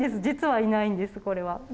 実はいないんですこれは。